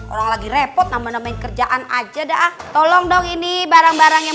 orang lagi repot nama nama yang kerjaan aja dah tolong dong ini barang barang yang